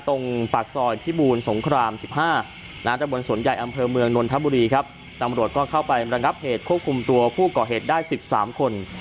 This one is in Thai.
ตรงปากซอยที่บูรสงครามสิบห้าตระบวนสนใหญ่อำเภอเมืองนวลธับบุรีครับนับโปรดก็เข้าไปรังรับเหตุควบคุมตัวผู้ก่อเหตุได้สิบสามคน